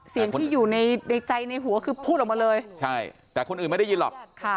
เสียงที่อยู่ในใจในหัวคือพูดออกมาเลยใช่แต่คนอื่นไม่ได้ยินหรอกค่ะ